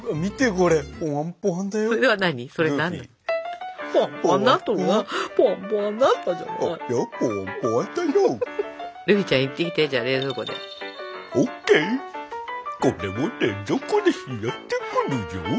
これ持って冷蔵庫で冷やしてくるぞ。